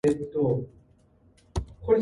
He granted Aspel to his ally Balderic.